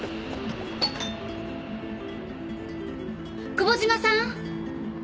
久保島さん。